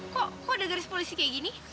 kok kok ada garis polisi kayak gini